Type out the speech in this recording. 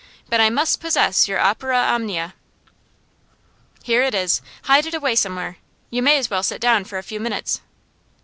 But I must possess your opera omnia.' 'Here it is. Hide it away somewhere. You may as well sit down for a few minutes.